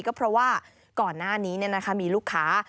ก็เพราะว่าก่อนหน้านี้มีลูกค้า